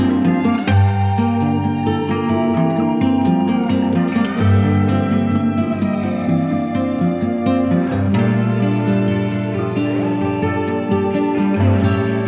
ibu udah maafin bapak dari dulu pak